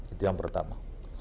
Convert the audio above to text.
itu yang pertama